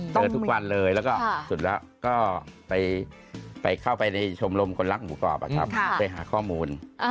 ทุกวันเลยแล้วก็สุดแล้วก็ไปเข้าไปในชมรมคนรักหมูกรอบไปหาข้อมูล